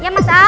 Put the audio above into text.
ya mas al